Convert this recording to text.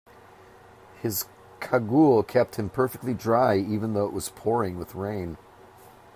His cagoule kept him perfectly dry even though it was pouring with rain